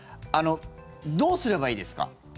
どうすればいいですか？